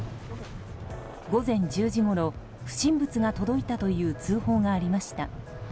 午前１０時ごろ不審物が届いたという通報がありました。